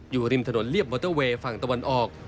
อยู่ริมถนนเรียบมอเตอร์เวย์ฝั่งตะวันออก